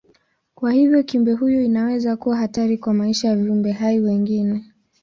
Kwa hivyo kiumbe huyu inaweza kuwa hatari kwa maisha ya viumbe hai wengine.